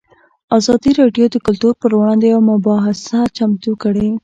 ازادي راډیو د کلتور پر وړاندې یوه مباحثه چمتو کړې.